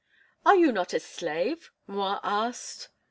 "Are you not a slave?" M'Rua asked.